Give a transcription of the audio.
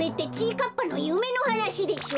かっぱのゆめのはなしでしょ！？